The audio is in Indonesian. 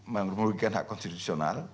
merugikan hak konstitusional